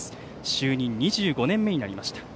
就任２５年目になりました。